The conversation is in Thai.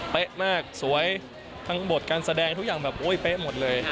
มากสวยทั้งบทการแสดงทุกอย่างแบบโอ๊ยเป๊ะหมดเลย